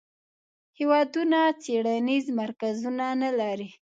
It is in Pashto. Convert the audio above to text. هیوادونه څیړنیز مرکزونه نه لري.